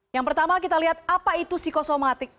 yang pertama kita lihat apa itu psikosomatik